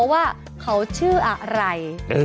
ว่าเขาชื่ออะไร